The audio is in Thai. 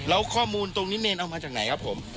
แล้วข้อมูลตรงนี้เนรเอามาจากไหนครับผม